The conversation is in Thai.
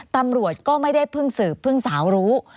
ตำรวจก็ไม่ได้เพิ่งสืบเพิ่งสาวรู้